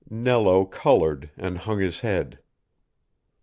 Nello colored and hung his head.